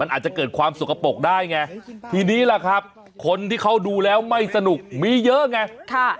อาจจะเกิดความสกปรกได้ไงทีนี้ล่ะครับคนที่เขาดูแล้วไม่สนุกมีเยอะไง